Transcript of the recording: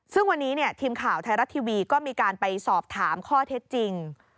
ซึ่งวันนี้ทีมข่าวไทยรัฐทีวีก็มีการไปสอบถามข้อเท็จจริง